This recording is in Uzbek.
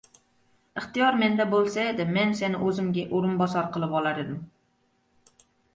Ixtiyor menda bo‘lsa edi, men seni o‘zimga o‘rinbosar qilib olar edim.